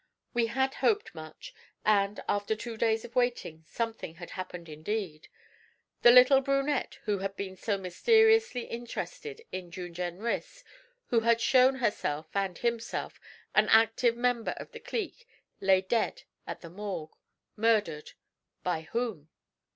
We had hoped much; and, after two days of waiting, something had happened indeed! The little brunette who had been so mysteriously interested in June Jenrys, who had shown herself, and himself, an active member of the 'clique,' lay dead at the Morgue, murdered by whom?